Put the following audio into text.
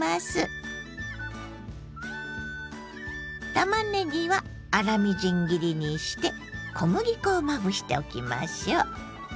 たまねぎは粗みじん切りにして小麦粉をまぶしておきましょう。